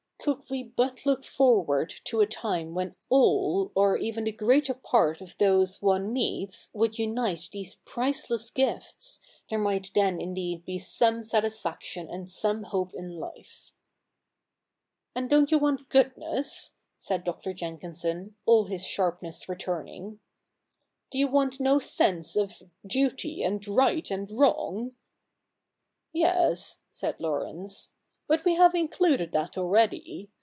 Could we but look forward to a time when all or even the greater part of those one meets would unite these price less gifts, there might then indeed be some satisfaction and some hope in life.'* ' And don't you want goodness ?" said Dr. Jenkinson, all his sharpness returning ;' do you want no sense of duty, and right, and wrong ?'' Yes,' said Laurence, ' but we have included that already.